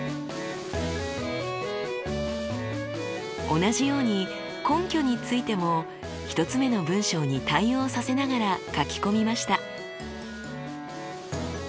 同じように根拠についても１つ目の文章に対応させながら書き込みました。